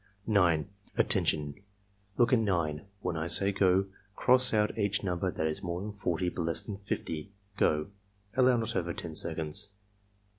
9. "Attention! Look at 9. When I say 'go' cross out each number that is more than 40 but less than 50. — Go!" (Allow not over 15 seconds.)